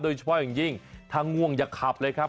โดยเฉพาะอย่างยิ่งถ้าง่วงอย่าขับเลยครับ